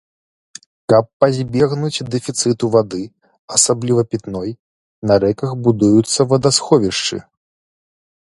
Каб пазбегнуць дэфіцыту вады, асабліва пітной, на рэках будуюцца вадасховішчы.